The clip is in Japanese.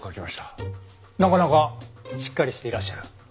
なかなかしっかりしていらっしゃる。